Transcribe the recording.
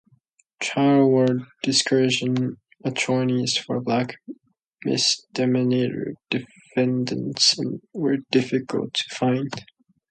Trials were discouraged and attorneys for black misdemeanor defendants were difficult to find.